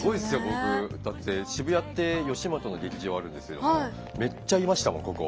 僕だって渋谷って吉本の劇場あるんですけどもめっちゃいましたもんここ。